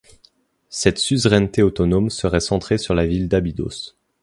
Cette suzeraineté autonome serait centrée sur la ville d'Abydos.